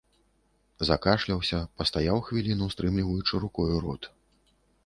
Закашляўся, пастаяў хвіліну, стрымліваючы рукою рот.